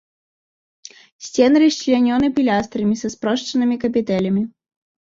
Сцены расчлянёны пілястрамі са спрошчанымі капітэлямі.